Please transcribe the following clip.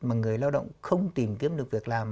mà người lao động không tìm kiếm được việc làm